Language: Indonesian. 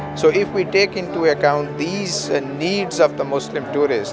jadi jika kita mengingatkan kebutuhan muslim turis